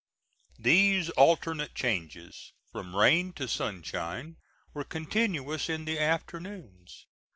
These alternate changes, from rain to sunshine, were continuous in the afternoons.